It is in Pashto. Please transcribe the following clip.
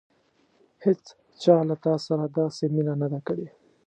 هېڅچا له تا سره داسې مینه نه ده کړې.